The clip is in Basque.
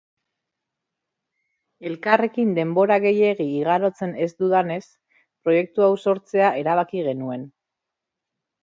Elkarrekin denbora gehiegi igarotzen ez dudanez, proiektu hau sortzea erabki genuen.